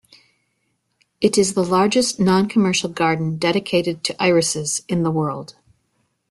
It is the largest non-commercial garden dedicated to irises in the world.